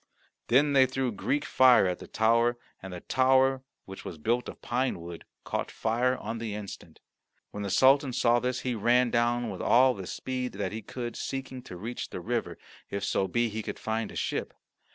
Then they threw Greek fire at the tower, and the tower, which was built of pine wood, caught fire on the instant. When the Sultan saw this he ran down with all the speed that he could, seeking to reach the river, if so be he could find a ship.